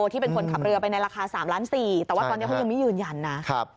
ที่เป็นคนขับเรือไปในราคา๓ล้าน๔แต่ว่าตอนนี้เขายังไม่ยืนยันนะ